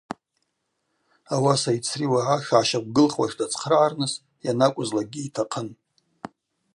Ауаса йцри уагӏа шгӏащаквгылхуаш дацхърагӏарныс йанакӏвызлакӏгьи йтахъын.